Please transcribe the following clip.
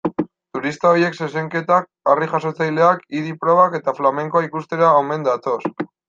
Turista horiek zezenketak, harri-jasotzaileak, idi-probak eta flamenkoa ikustera omen datoz.